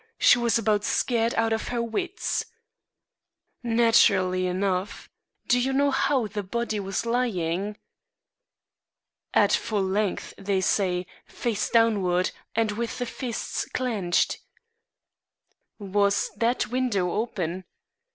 She was about scared out of her wits." "Naturally enough. Do you know how the body was lying?" "At full length, they say, face downward, and with the fists clenched." "Was that window open?"